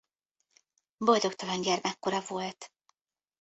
Boldogtalan gyermekkora volt.